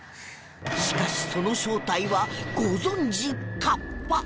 しかしその正体はご存じ河童